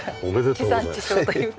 地産地消というか。